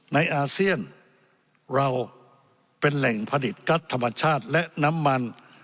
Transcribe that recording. อาเซียนเราเป็นแหล่งผลิตกัสธรรมชาติและน้ำมัน